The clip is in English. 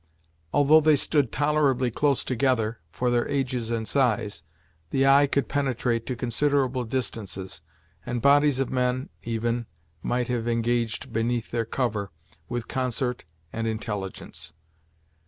Although they stood tolerably close together, for their ages and size, the eye could penetrate to considerable distances; and bodies of men, even, might have engaged beneath their cover, with concert and intelligence.